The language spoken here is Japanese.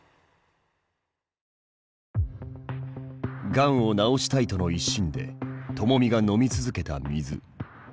がんを治したいとの一心でともみが飲み続けた水。